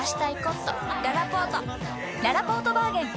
ららぽーとバーゲン開催！